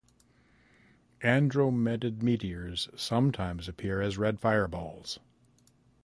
Andromedid meteors sometimes appear as red fireballs.